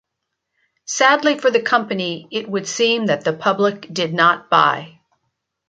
Sadly for the company, it would seem that the public did not buy.